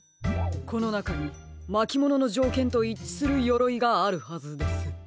このなかにまきもののじょうけんといっちするよろいがあるはずです。